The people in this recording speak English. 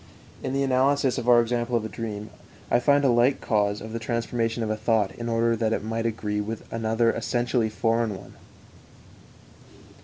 In the analysis of our example of a dream, I find a like case of the transformation of a thought in order that it might agree with another essentially foreign one.